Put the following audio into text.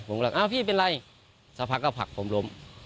ผมก็เลยอ้าวพี่เป็นไรสักพักก็ผลักผมล้ม